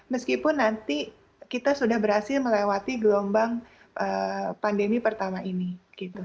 meskipun nanti kita sudah berhasil melewati gelombang pandemi pertama ini gitu